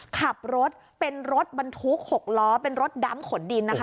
ขับรถเป็นรถบรรทุก๖ล้อเป็นรถดำขนดินนะคะ